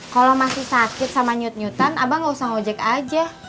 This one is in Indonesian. kalau masih sakit sama nyut nyutan abang nggak usah ojek aja